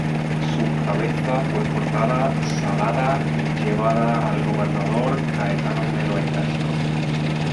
Su cabeza fue cortada, salada y llevada, al gobernador Caetano Melo e Castro.